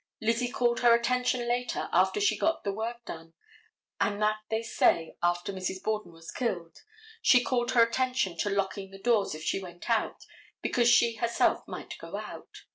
Lizzie called her attention later after she got the work done, and that they say, after Mrs. Borden was killed, she called her attention to locking the doors if she went out, because she herself might go out.